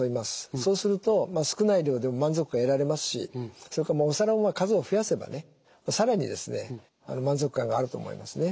そうすると少ない量でも満足感得られますしそれからお皿も数を増やせばね更に満足感があると思いますね。